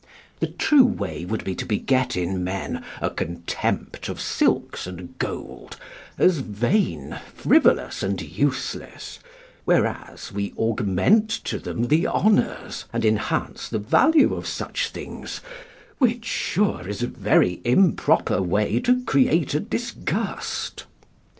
The true way would be to beget in men a contempt of silks and gold, as vain, frivolous, and useless; whereas we augment to them the honours, and enhance the value of such things, which, sure, is a very improper way to create a disgust.